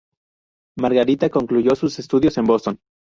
Margarita concluyó sus estudios en Boston.